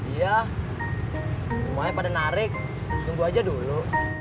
iya semuanya pada narik tunggu aja dulu